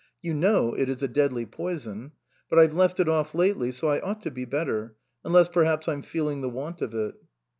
You know it is a deadly poison. But I've left it off lately, so I ought to be better unless perhaps I'm feeling the want of it."